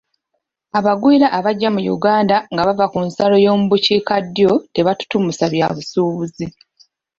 Abagwira abajja mu Uganda nga bava ku nsalo y'omu bukiikaddyo tebatutumusa bya busuubuzi.